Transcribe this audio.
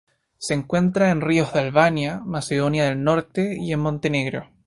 Se encuentra en ríos de Albania, Macedonia del Norte y Montenegro.